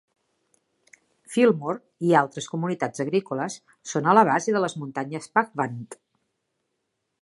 Fillmore i altres comunitats agrícoles són a la base de les muntanyes Pahvant.